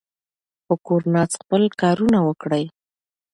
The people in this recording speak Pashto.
په کور ناست خپل کارونه وکړئ.